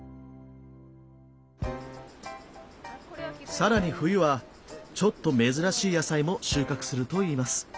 さらに冬はちょっと珍しい野菜も収穫するといいます。